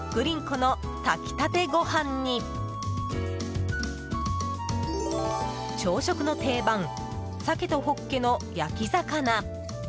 この炊きたてご飯に朝食の定番サケとホッケの焼き魚。